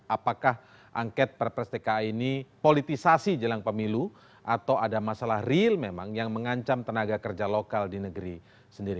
apakah angket perpres tka ini politisasi jelang pemilu atau ada masalah real memang yang mengancam tenaga kerja lokal di negeri sendiri